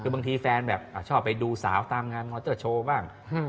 บางทีแฟนชอบไปดูสาวตามงานน้อยเตอร์โชว์บ้าง